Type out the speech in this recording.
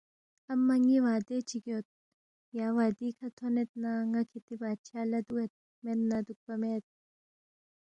امہ ن٘ی وعدے چِک یود، یا وعدی کھہ تھونید نہ ن٘ا کِھتی بادشاہ لہ دُوگید، مید نہ دُوکپا مید